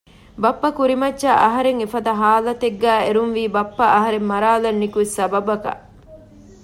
ބައްޕަ ކުރިމައްޗަށް އަހަރެން އެފަދަ ހާލަތެއްގައި އެރުންވީ ބައްޕަ އަހަރެން މަރާލަން ނިކުތް ސަބަބަކަށް